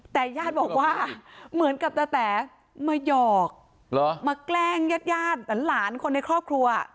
แต่ญาติบอกว่าเหมือนกับตาแต๋มาหยอกมาแกล้งญาติญาติหลานคนในครอบครัว